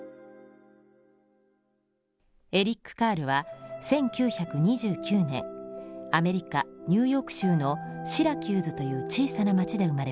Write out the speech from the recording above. エリック・カールは１９２９年アメリカ・ニューヨーク州のシラキューズという小さな町で生まれました。